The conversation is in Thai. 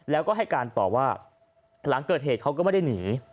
แล้วก็ให้การต่อว่าหลังเกิดเหตุเขาก็ไม่ได้หนี